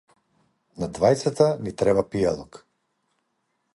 На двајцата ни треба пијалок.